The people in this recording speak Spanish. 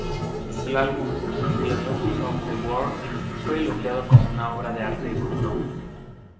El álbum "Philosophy of the World" fue elogiado como una obra de arte bruto.